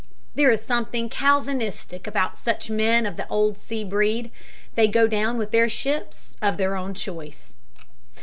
There is something Calvinistic about such men of the old sea breed. They go down with their ships, of their own choice.